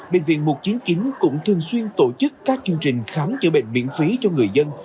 bệnh viện một trăm chín mươi chín cũng thường xuyên tổ chức các chương trình khám chữa bệnh miễn phí cho người dân